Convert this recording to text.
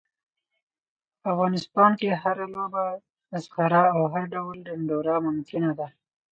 په افغانستان کې هره لوبه، مسخره او هر ډول ډنډوره ممکنه ده.